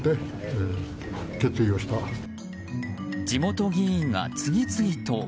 地元議員が次々と。